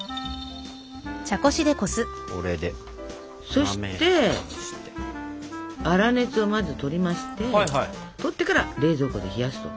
そして粗熱をまずとりましてとってから冷蔵庫で冷やすと。